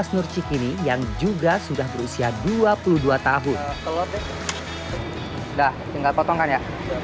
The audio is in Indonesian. sudah tinggal potongkan ya